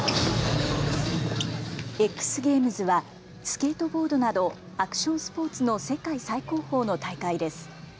Ｘゲームズはスケートボードなどアクションスポーツの世界最高峰の大会です。